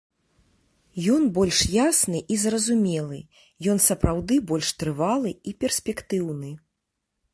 Ён больш ясны і зразумелы, ён сапраўды больш трывалы і перспектыўны.